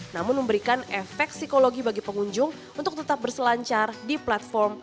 namun memberikan efek psikologi bagi pengunjung untuk tetap berselancar di platform